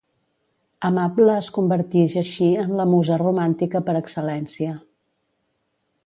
Amable es convertix així en la musa romàntica per excel·lència.